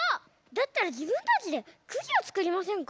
だったらじぶんたちでくじをつくりませんか？